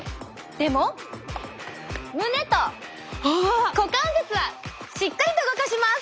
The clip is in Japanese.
でも胸と股関節はしっかりと動かします！